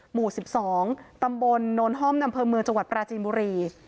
หมู่๑๒ตำบลโน้นห้อมอำเภอเมืองจังหวัดปราจีนบุรี